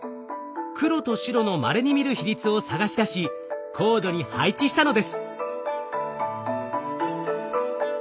黒と白のまれに見る比率を探し出しコードに配置したのです。